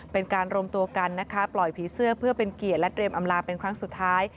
เป็นการรวมตัวกันนะคะปล่อยผีเสื้อเพื่อเป็นเกียรติและเรียมอำลาเป็นครั้งสุดท้าย